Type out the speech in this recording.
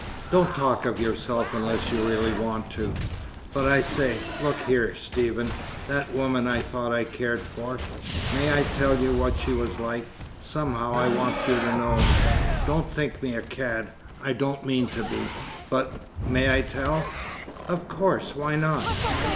Don't talk of yourself unless you really want to. But I say, look here, Stephen. That woman I thought I cared for may I tell you what she was like? Somehow I want you to know. Don't think me a cad. I don't mean to be. But may I tell?" "Of course. Why not?"